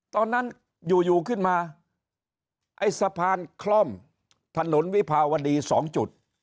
ตอนนั้นอยู่อยู่ขึ้นมาไอ้สะพานคล่อมถนนวิภาวดี๒จุด